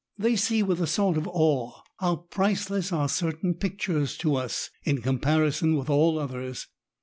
They see, with a sort of awe, how priceless 158 SS8AT8. are certain pictures to us^ in comparison with all others.